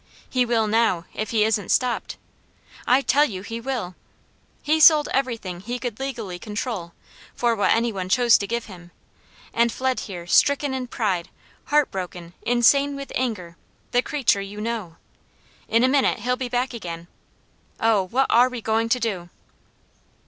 He will now, if he isn't stopped. I tell you he will! He sold everything he could legally control, for what any one chose to give him, and fled here stricken in pride, heartbroken, insane with anger, the creature you know. In a minute he'll be back again. Oh what are we going to do?"